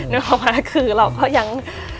นึกออกไหมคือเราก็ยัง